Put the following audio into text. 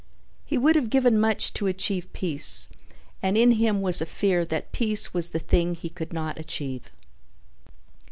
He would have given much to achieve peace and in him was a fear that peace was the thing he could not achieve.